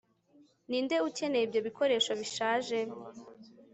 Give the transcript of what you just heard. ninde ukeneye ibyo bikoresho bishaje